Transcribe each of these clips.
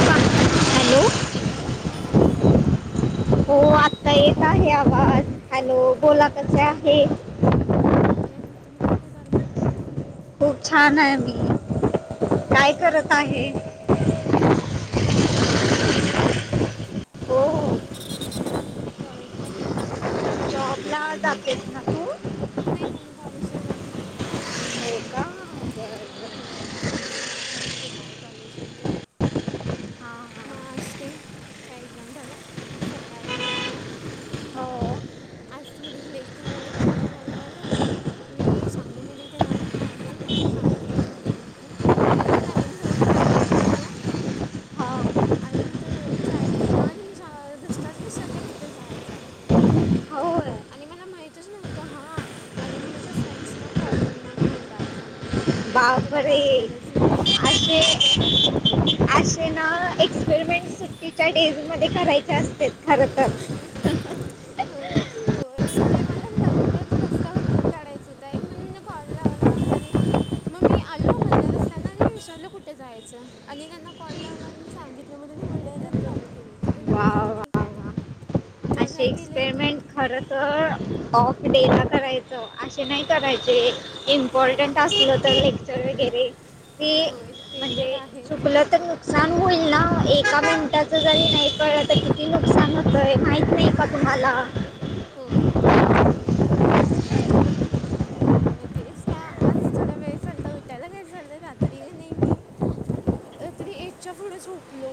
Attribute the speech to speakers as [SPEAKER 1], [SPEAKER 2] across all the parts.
[SPEAKER 1] Hello
[SPEAKER 2] hello, हा आवाज या
[SPEAKER 1] हो आता येत आहे आवाज, हॅलो बोला
[SPEAKER 2] हां
[SPEAKER 1] कसे आहे?
[SPEAKER 2] हां बर आहे तुम्ही काय करायला?
[SPEAKER 1] खूप छान आहे मी, काय
[SPEAKER 2] होय
[SPEAKER 1] करत आहे.
[SPEAKER 2] काय नाहीआता घरलाचालोय
[SPEAKER 1] हो
[SPEAKER 2] कॉलेज ला गेलतो.
[SPEAKER 1] जॉब ला जातेस ना तु?
[SPEAKER 2] नाही नाही मी कॉलेजला जाते.
[SPEAKER 1] हो का, बरं बर-
[SPEAKER 2] होय डी फार्मसी करत आहे बिनारी कॉलेजमध्ये.
[SPEAKER 1] हां, हां.
[SPEAKER 2] मग असते काय एक्झाम झालं सकाळी उठलो
[SPEAKER 1] हो
[SPEAKER 2] आज थोड लेट झालं लेक्चरला जायला काय झालं मी सांगलीमध्ये इथे नवीन आहे म्हणजे सांगलीमध्ये नवीनच आहे. आणि मी नवीन रोड टाय करालतो.
[SPEAKER 1] हो
[SPEAKER 2] आणि हिथ ट्राय केला आणि मी रसताच विसरले कुठे जायच.
[SPEAKER 1] होय.
[SPEAKER 2] आणि मला माहितच नव्हतं हा आणि म माझ्या फ्रेंड्सना कॉल लावून मला ओरडायच्या.
[SPEAKER 1] बापरे असे
[SPEAKER 2] तुला
[SPEAKER 1] असे ना एक्सपेरिमेंट सुट्टीच्या डेजमध्ये करायचे असते. खर तर
[SPEAKER 2] ह होय म्हणजे मला लवकर रस्ता हुडकून काढायच होता एक म्हण मी कॉल लावला आणि मग मी आलो मधल्या रस्ताना आणि मी विचारलो कुठे जायचं आणि त्यांना कॉल लावला आणि मी सांगितलं त्यामुळेनी ओरडायला चालू केली तुला
[SPEAKER 1] वा
[SPEAKER 2] समजत नाही
[SPEAKER 1] वा
[SPEAKER 2] काय
[SPEAKER 1] वा
[SPEAKER 2] मग काय केलं इथं
[SPEAKER 1] खर तर ऑफ डे ला करायचं असे नाही करायचे इम्पॉर्टंट असलं तर लेक्चर वगैरे ती
[SPEAKER 2] होय ते तर
[SPEAKER 1] म्हणजे
[SPEAKER 2] आहेच
[SPEAKER 1] चुकलं तर सान होईल ना एका मिनटाच जरी नाही कळलं तर किती नुकसान होतय माहित नाही का तुम्हाला
[SPEAKER 2] होय म तेच का आज थोडा वेळ झालता उटायला कार चाललंय रात्री ग नाही मी रात्री एकच्या पुढे झोपलो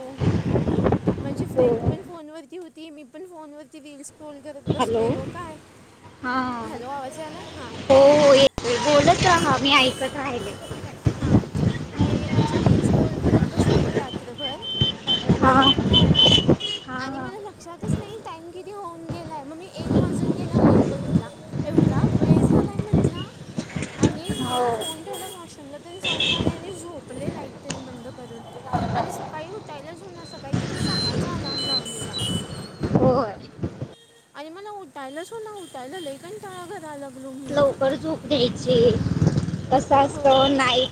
[SPEAKER 2] माझे
[SPEAKER 1] हो
[SPEAKER 2] फ्रेंड पण फोन वरती होती मी पण फोनवर ती रिल्स स्क्रोल करत
[SPEAKER 1] हॅलो
[SPEAKER 2] बसलेलो काय
[SPEAKER 1] हां
[SPEAKER 2] हॅलो आवाज आलाय हा
[SPEAKER 1] हो हो येतोय बोलत मी ऐकत राहिले
[SPEAKER 2] हां मी म्हणजे रील्स स्क्रोल करत बसलेलो रात्रभर
[SPEAKER 1] हा
[SPEAKER 2] हठी आणि मला लक्षातच नाही टाईम किती होऊन गेला आहे मग मी एक वाजून गेलं मग बघितला एवढा वेळ झालाय म्हंटला आणि
[SPEAKER 1] हो
[SPEAKER 2] मग फोन ठेवला मॉशरूमला जाऊन आले झोपले लाईट तेन बंद करून आणि सकाळी उठायलाच होईना सकाळी किती सहाचा अलाम लावलेला
[SPEAKER 1] होय
[SPEAKER 2] अरे मला उठायलाच हो ना उठायला लई कंटाळा त्या करालागलू मी
[SPEAKER 1] लवकर झोप घ्यायची कस
[SPEAKER 2] हो
[SPEAKER 1] नाई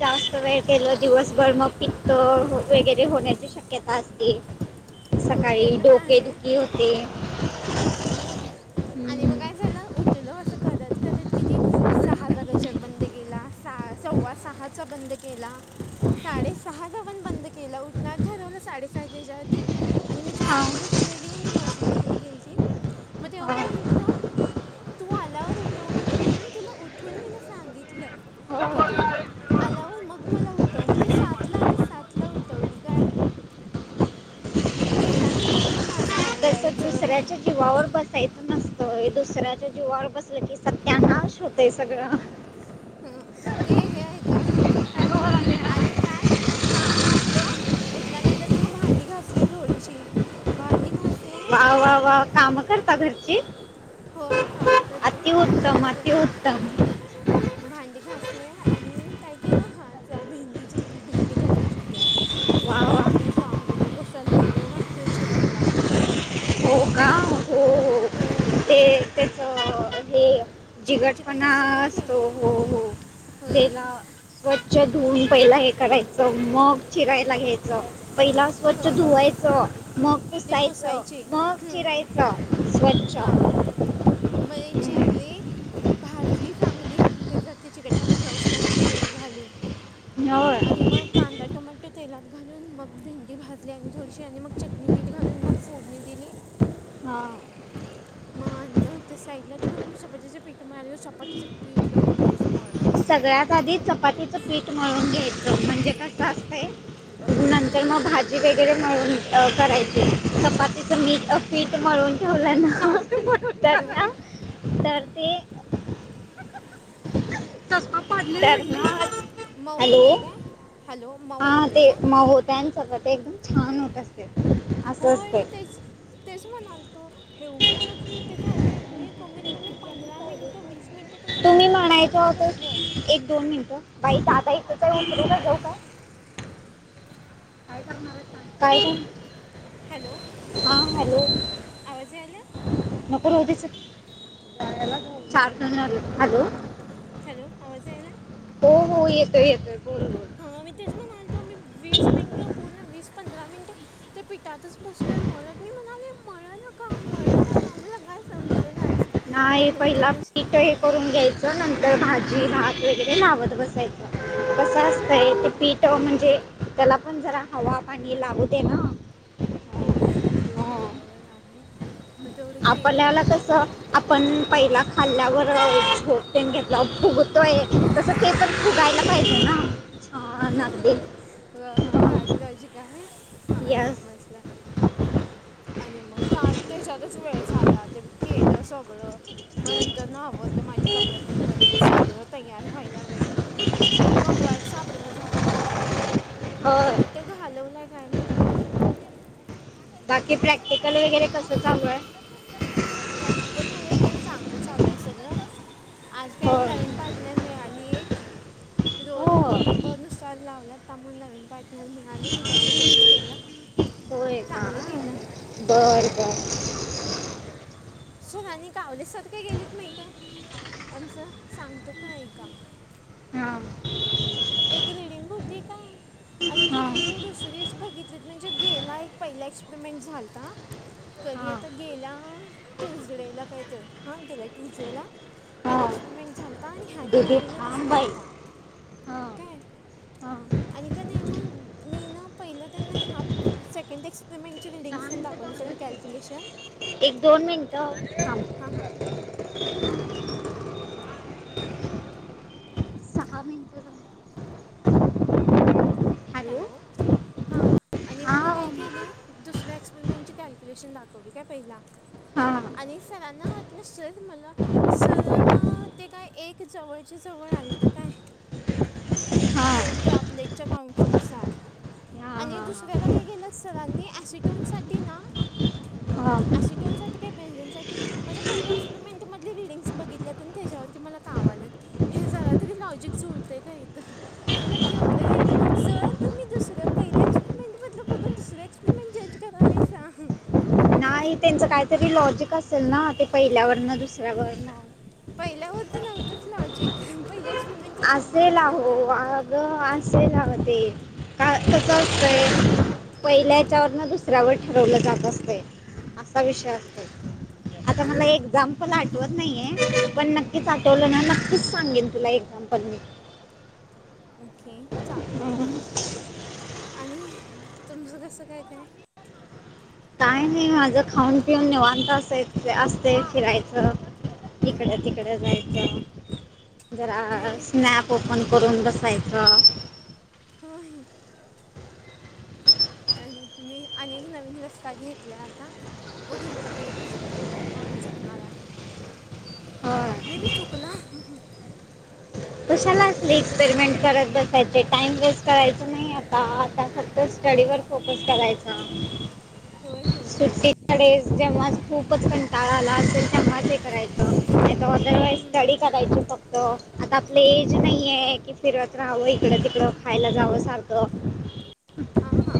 [SPEAKER 1] जास्त वेळ केलं दिवसभर मग पित्त वगैरे होण्याची शक्य क्यता असते
[SPEAKER 2] हो ते
[SPEAKER 1] सकाळी
[SPEAKER 2] पण आहे
[SPEAKER 1] डोकेदुखी होते
[SPEAKER 2] हम्म आणि मग काय झालं उठलो असं करत, करत किती सहाचा गजर बंद केला सव्वा सहाचा बंद केला साडे सहाचा पण बंद केला उठणार ठरवलं साडेसहाच्यावरीती आणि माझी
[SPEAKER 1] हा,
[SPEAKER 2] फ्रेंड उठलेली ती वॉशरूमला त्यांनी गेली त मग तेव्हा पण
[SPEAKER 1] हा,
[SPEAKER 2] म्हटलं तू आल्यावर उठव मला म्हणून तिला उठून मी सांगितलं की
[SPEAKER 1] हो.
[SPEAKER 2] तु आल्यावर मग मला उठव म सातला आली सातला उठवली काय त्याच्यानंतर ना मग माझ आवराय
[SPEAKER 1] दुसऱ्याचे जीवावर बसायचं नसतंय दुसऱ्याच्या जीवावर बसलं की सत्यानाश होतय सगळा
[SPEAKER 2] ह ते हे आहेऐ का हा आणि काय हा उठलो उठल्यानंतर ना मग भांडी घासली थोडीशी भांडी घासले
[SPEAKER 1] वा, वा, वा काम करता घरची
[SPEAKER 2] होय काम करतोय भांडी
[SPEAKER 1] अतिउत्तम
[SPEAKER 2] घासल्या
[SPEAKER 1] अतिउत्तम
[SPEAKER 2] भांडे घासले आणि काय केलं हा भेंडी चिरली भेंडी करायची हो त्याच आणि त
[SPEAKER 1] वा वा
[SPEAKER 2] भेंडी सांगू नको कसा लई वेळ लागतोय चिरायला
[SPEAKER 1] हो का हो, हो
[SPEAKER 2] होय
[SPEAKER 1] ते त्याच हे
[SPEAKER 2] चिकट चिकट
[SPEAKER 1] जिगटपणा
[SPEAKER 2] असतं ना ते
[SPEAKER 1] असतो हो, हो
[SPEAKER 2] होय
[SPEAKER 1] तेला स्वच्छ धुवून पहिला हे करायचं मग चिरायला घ्यायचं पहिला स्वच्छ
[SPEAKER 2] होय
[SPEAKER 1] धुवायचं मग
[SPEAKER 2] ते
[SPEAKER 1] पुसायचं
[SPEAKER 2] पुसायचे
[SPEAKER 1] मग
[SPEAKER 2] हं,
[SPEAKER 1] चिरायचा स्वच्छ
[SPEAKER 2] मने
[SPEAKER 1] हम्म.
[SPEAKER 2] चिरले भाजली चांगली त्याचा त चिकटपणा जाऊस पर्यंत तेल घालून
[SPEAKER 1] होय
[SPEAKER 2] आणि मग कांदा टोमाट तेलात घालून मग भेंडी भाजली आणि थोडीशी आणि मग चटणी मीठ घालून मग फोडणी दिली
[SPEAKER 1] हा
[SPEAKER 2] मनला ते साईडलाला म सपपािचे पीठ मारली सपपा चिचे पीठ ला उकरस मरला
[SPEAKER 1] सगळ्यात आधी चपातीचं प्विट मिळून घ्यायचं म्हणजे कसं असतं
[SPEAKER 2] हं?
[SPEAKER 1] नंतर मग भाजी वगैरे मिळून करायची चपातीच मीठ पीठ ते मळून ठेवलं ना
[SPEAKER 2] हां
[SPEAKER 1] त्यांना तर ते सस पा
[SPEAKER 2] हॅलो
[SPEAKER 1] ना
[SPEAKER 2] मऊ
[SPEAKER 1] हॅलो
[SPEAKER 2] होतंय
[SPEAKER 1] [inaudible]
[SPEAKER 2] काय हॅलो मऊ
[SPEAKER 1] हा
[SPEAKER 2] होतंय
[SPEAKER 1] ते
[SPEAKER 2] काय
[SPEAKER 1] मउ होत आणि सगळं ते एकदम छान होत असते असं
[SPEAKER 2] होय
[SPEAKER 1] असते
[SPEAKER 2] मी तेच तेच म्हणालतो एवढं का घट्ट झालंय मी कमीत कमी पंधरा मिनिट वीस मिनिट त्याच म
[SPEAKER 1] तुम्ही
[SPEAKER 2] त्याच्या
[SPEAKER 1] म्हणायचं
[SPEAKER 2] पिठातच बसलोय
[SPEAKER 1] होतं एक दोन मिनिटं बाई आता इथच होऊ जाऊ का का
[SPEAKER 2] हॅलो
[SPEAKER 1] हां हॅलो
[SPEAKER 2] आवाज यायला
[SPEAKER 1] म हॅल
[SPEAKER 2] हॅलो आवाज यायला
[SPEAKER 1] हो हो येतोय येतोय बोलोल
[SPEAKER 2] हा मी तेच मालतो आम्ही वीस मिनट पूर्ण वीस पंधरा मिनट त्या पिठातच बसलय म्हणत मी म्हणाले मळ न का मळलं का मला काय समज ना
[SPEAKER 1] नाही पहिला पीठ हे करून घ्यायचं नंतर भाजी भात वगैरे लावत बसायचं कस असतय ते
[SPEAKER 2] हं,
[SPEAKER 1] पीठ म्हणजे त्याला पण जरा हवा पाणी लागु दे ना
[SPEAKER 2] होय ते
[SPEAKER 1] हं.
[SPEAKER 2] बरोबर आहे मग तेवढं केलं
[SPEAKER 1] आपल्याला
[SPEAKER 2] मळल
[SPEAKER 1] कसं आपण पहिला हल्ल्यावरोटेन [unintelligible] घेतला फुगतोय तसं ते पण फुगायला पाहिजे ना छान अगदी
[SPEAKER 2] भारीलॉजिक आहे ह
[SPEAKER 1] यस
[SPEAKER 2] समजलं आणि मग त्याच्यातच वेळ झाला ते केलं सगळ म्हण तर ना आवडलं माझ्या कपड्यात बद्दल सगळं तयार व्हायला वेळ त्यात [inaudible] [unintelligible] कपडे्यांना घालता आमच्या
[SPEAKER 1] बर
[SPEAKER 2] त घालवलाय काय माहीत आम्ही य [unintelligible]
[SPEAKER 1] बाकी प्रॅक्टिकल वगैरे कसं चालू आहे
[SPEAKER 2] प्रॅक्टिकल वगैरे तर चांगलं चाललंय सगळं आज काय नवीन
[SPEAKER 1] हो
[SPEAKER 2] पार्टनर मिळाली एक
[SPEAKER 1] हो
[SPEAKER 2] रोल नंबर नुस लावला ता नवीन मग म्हणाली तिच्यासोबतच केलं
[SPEAKER 1] होय का
[SPEAKER 2] चांगलं केलं
[SPEAKER 1] बर का
[SPEAKER 2] सरांनी [unintelligible] आमचं सांगतो का ऐका
[SPEAKER 1] हा
[SPEAKER 2] एक रीडिंग होती काय आणि ती
[SPEAKER 1] हा
[SPEAKER 2] रिडिंग दुसरीच बघितली म्हणजे गेला एक पहिला एक्सपरिमेंट झालता कधी
[SPEAKER 1] हां
[SPEAKER 2] आता गेला ट्युजडेला काय तर हा गेला ट्यूजडे ला पहिला
[SPEAKER 1] हां
[SPEAKER 2] एक्सपेरिमेंट झालता आणि ह्या
[SPEAKER 1] दीदी
[SPEAKER 2] ट्यूसडेला
[SPEAKER 1] थांब
[SPEAKER 2] दुसरा
[SPEAKER 1] बाई
[SPEAKER 2] होता काय आणि का नाही मग मी ना पहिलं त्यांना ह्या सेकंड एक्सपरिमेंट ची रीडिंगस पण दाखवली सगळी कॅलक्युलेशन
[SPEAKER 1] एक दोन मिनटं थांब
[SPEAKER 2] हा हा
[SPEAKER 1] [inaudible] सहा मिनटं
[SPEAKER 2] हॅलो हां आणि मग मी काय केली दुसऱ्या एक्सपेरिमेंटची कॅल्क्युलेशन दाखवली काय पहिला
[SPEAKER 1] हां
[SPEAKER 2] आणि सरांना वाटलं सर मला सरना ते काय एक जवळच्या जवळ आलतं काय
[SPEAKER 1] हां
[SPEAKER 2] ते ड्रॉपलेटच्या काउंट्सनुसार आणि दुसऱ्याला काय केेलं सरांनी ॲसिटोनसाठी ना,
[SPEAKER 1] हां
[SPEAKER 2] आशिटोनसाठी काही ब्यंजनसाठी माझ्या पहिल्या एक्सपेरिमेंट मधली रिडिंग्स बघितल्यात आणि त्याच्यावरती मला कावालंत. हे जरा तरी लॉजिक जुळते काय इथं तर, म्हला केवलं हे सर तुम्ही दुसऱ्या पहिल्या एक्सपेरिमेंट मधल बघून दुसऱ्या एक्सपरीमंट जच करालायला येता.
[SPEAKER 1] आणि त्यांचं काहीतरी लॉजिक असेल ना ते पहिल्यावरन दुसऱ्यावर
[SPEAKER 2] पहिल्यावरती नव्हतंच लॉजिक. पहिलेच
[SPEAKER 1] असेल आहो आ त असेन आग ते, काय कस असतय. पहिल्याच्या वरन दुसऱ्यावर ठरवलं जात असते. असा विषय असतो. आता मला एक्साम पल मला आठवत नाहीये पण नक्कीच आठवलं ना नक्कीच सांगेन तुला एक्झाम्पल मी.
[SPEAKER 2] ओके चालतंय आहे आणि तुमचं कसं काय काय?
[SPEAKER 1] काय नाही माझं खाऊन पिऊन निेवांत अस असते फिरायचं.
[SPEAKER 2] हं,
[SPEAKER 1] इकडं तिकडं तिकड जायच.
[SPEAKER 2] मी
[SPEAKER 1] जरा स्नॅप ओपन करून बसायच.
[SPEAKER 2] होय आणि मी आणिक नवीन रस्ता घेतला आता बघू आता बरोबर जातोय का? ह्यो येन चुकणार आहे.
[SPEAKER 1] होय
[SPEAKER 2] मी बी चुकला.
[SPEAKER 1] कशाला
[SPEAKER 2] बघतो
[SPEAKER 1] असली
[SPEAKER 2] पुढे जाऊन
[SPEAKER 1] एक्सपेरिमेंट करत बसायच. ते टाइम वेस्ट करायच नाही आता आता फक्त स्टडीवर फोकस करायचा.
[SPEAKER 2] होय होय
[SPEAKER 1] सुट्टीत.. ज जेव्हा खूपच पण टाळा आला असेल तेव्हाच ते करायचं अदरवाईज
[SPEAKER 2] हं,
[SPEAKER 1] स्टडी करायचं फक्त. आता आपलं ऐज नाहीये की फिरत राहावं इकडं तिकडं खायला जावं सारख.
[SPEAKER 2] हां हां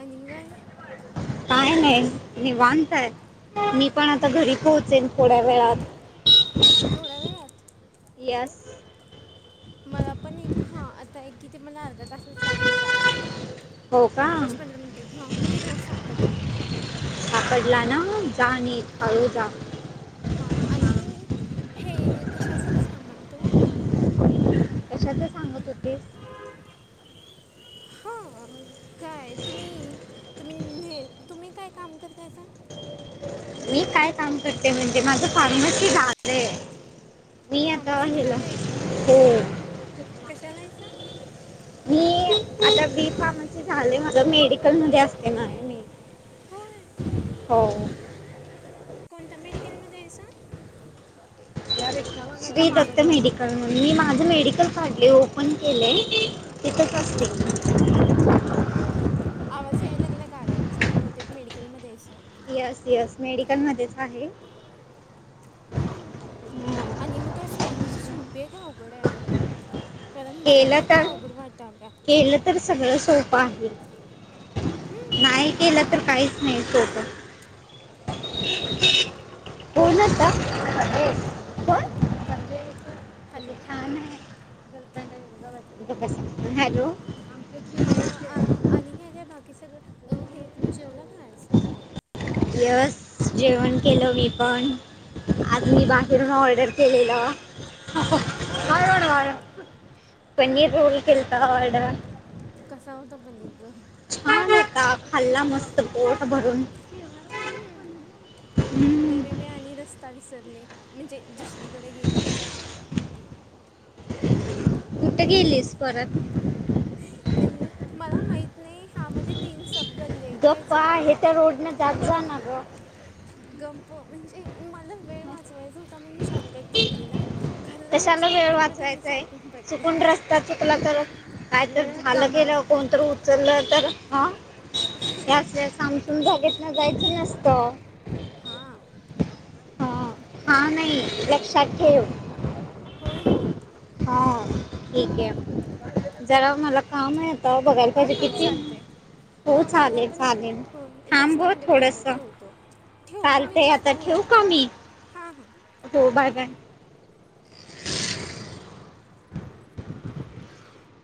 [SPEAKER 2] आणि काय?
[SPEAKER 1] काय
[SPEAKER 2] हॅलो
[SPEAKER 1] नाही निवांताय. मी पण आता घरी
[SPEAKER 2] हं,
[SPEAKER 1] पोहचेल. थोड्या वेळात.
[SPEAKER 2] थोड्या वेळात.
[SPEAKER 1] येस
[SPEAKER 2] मला पण एक हा आता एक कि, ते मला अर्धा तासच लागेल जायला
[SPEAKER 1] हो
[SPEAKER 2] अर्धा
[SPEAKER 1] का
[SPEAKER 2] तास पंधरा मिनटे. हां मला रोड सापडला.
[SPEAKER 1] सापडला ना जा नीट.
[SPEAKER 2] हां
[SPEAKER 1] हळू जा
[SPEAKER 2] हां आणि हे कशाचं सांगाल तो,
[SPEAKER 1] कशाात सांगत होतीस.
[SPEAKER 2] हां. काय? तुम्ही तुम्ही न तुम्ही काय काम करतायसा?
[SPEAKER 1] मी काय काम करते म्हणजे माझं फार्मसी झालय आहे. मी आता
[SPEAKER 2] फार्मसी
[SPEAKER 1] ह्याला
[SPEAKER 2] झालं आहे
[SPEAKER 1] हो.
[SPEAKER 2] कशाला हायसा.
[SPEAKER 1] मी आता बी फार्मसी झाले माझं मेडिकल मध्ये असते ना मी [inaudible]
[SPEAKER 2] होय
[SPEAKER 1] हो
[SPEAKER 2] कोणत्या मेडिकलमध्ये हायसा.
[SPEAKER 1] श्री दत्त मेडिकल म्हून मी माझे मेडिकल काढले ओपन केले. तिथं च आस्ते
[SPEAKER 2] हो आवाज याय लागला गाड्यांचा बहुतेक मेडिकलमध्ये हायासा.
[SPEAKER 1] येस येस मेडिकल मध्येच आहे.
[SPEAKER 2] हं,
[SPEAKER 1] हम्म.
[SPEAKER 2] आणि म काय फार्मशी सोपे आहे काय? अवघड आहे. कारण मला
[SPEAKER 1] केलं तर
[SPEAKER 2] आत्ता अवघड वाटायला
[SPEAKER 1] केलं तर सगळं सोपं आहे.
[SPEAKER 2] हं,
[SPEAKER 1] नाहीय केलं तर काहीच नाही सोपं.
[SPEAKER 2] होय
[SPEAKER 1] होनता.
[SPEAKER 2] हॅलो
[SPEAKER 1] किती
[SPEAKER 2] हॅलो
[SPEAKER 1] छान आहे हॅलो
[SPEAKER 2] हा आणि काय काय बाकी सगळं हे तुम्ही जेवला का आज
[SPEAKER 1] यस जेवण केलं मी पण आज मी
[SPEAKER 2] हम्म,
[SPEAKER 1] बाहेरून ऑर्डर केलेलं.
[SPEAKER 2] होय
[SPEAKER 1] हळड वाळ पनीर रोल केलता ऑर्डर
[SPEAKER 2] कसा होता पनीर रोल ज
[SPEAKER 1] छान होता खाल्ला मस्त पोट भरून
[SPEAKER 2] हम्म,
[SPEAKER 1] हम्
[SPEAKER 2] मे बी मी आणि रस्ता विसरले म्हणजे दुसरीकडे गेले.
[SPEAKER 1] कुठं गेलीस परत
[SPEAKER 2] म्हणजे मला माहित नाही ह्यामध्ये तीन सब गल्ले इतके झाला.
[SPEAKER 1] त्याजनग
[SPEAKER 2] गप्प म्हणजे मला वेळ वाचवायच. म मी शॉर्टकट घेतलेला खरं या
[SPEAKER 1] कशाला वेळ
[SPEAKER 2] शॉर्टकट मध्ये मी
[SPEAKER 1] वाचवायचा आहे
[SPEAKER 2] चडकून पडले.
[SPEAKER 1] चुकून रस्ता चुकला तर कायतरी झालं गेलं कोणत उचललं तर ह याल्या सामसुम जागेत ना जायच नसत.
[SPEAKER 2] हां
[SPEAKER 1] हा हा नाही लक्षात ठेव.
[SPEAKER 2] होय होय
[SPEAKER 1] हा ठीक आहे. मला काम आहे आेत बघायला पाहिजे किती? हो
[SPEAKER 2] ह मला
[SPEAKER 1] चालेल
[SPEAKER 2] पण
[SPEAKER 1] चालेल
[SPEAKER 2] हो
[SPEAKER 1] थांब
[SPEAKER 2] रस्ता
[SPEAKER 1] हो
[SPEAKER 2] उडत जवाय ठ
[SPEAKER 1] थोडंसं
[SPEAKER 2] होतो. ठेवतो मी
[SPEAKER 1] चालतंय आता
[SPEAKER 2] नसता
[SPEAKER 1] ठेवू का
[SPEAKER 2] उडकते
[SPEAKER 1] मी
[SPEAKER 2] हा हा.
[SPEAKER 1] हो बाय बाय